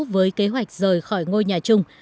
với kế hoạch rời khỏi ngôi nhà chung